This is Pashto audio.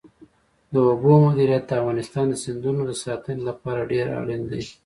د اوبو مدیریت د افغانستان د سیندونو د ساتنې لپاره ډېر اړین دی.